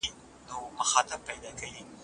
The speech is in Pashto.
دغه سړي هغې ته د کب نیولو هنر ور زده کړی و.